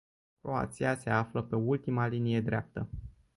Croația se află pe ultima linie dreaptă.